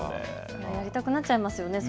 やりたくなっちゃいますよね。